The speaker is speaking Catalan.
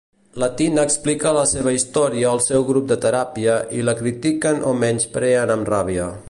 La Tina explica la seva història al seu grup de teràpia i la critiquen o menyspreen amb ràbia.